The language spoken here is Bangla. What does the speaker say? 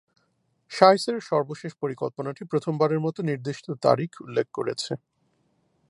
শাইসের সর্বশেষ পরিকল্পনাটি প্রথমবারের মতো নির্দিষ্ট তারিখ উল্লেখ করেছে।